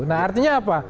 nah artinya apa